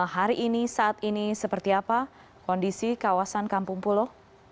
hari ini saat ini seperti apa kondisi kawasan kampung pulo